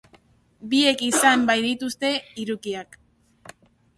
Biek izan baidituzte hirukiak!